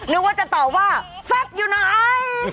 นึกว่าจะตอบว่าแฟบอยู่ไหน